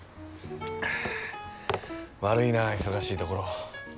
悪いな忙しいところ。